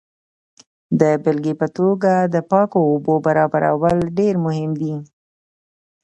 د بیلګې په توګه د پاکو اوبو برابرول ډیر مهم دي.